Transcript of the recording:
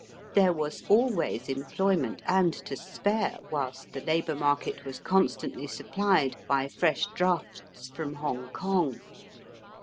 There was always employment and to spare whilst the labour market was constantly supplied by fresh drafts from Hong Kong.